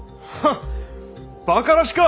バカらしか！